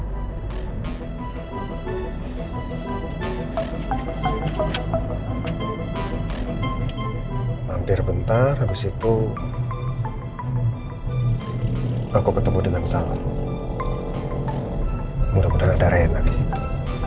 hai hampir bentar habis itu aku ketemu dengan salah mudah mudahan ada ren habis itu